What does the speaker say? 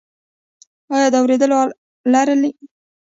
ایا د اوریدلو آله لرئ؟